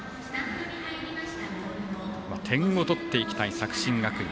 点を取っていきたい作新学院。